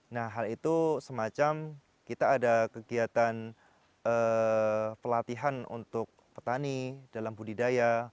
nah hal itu semacam kita ada kegiatan pelatihan untuk petani dalam budidaya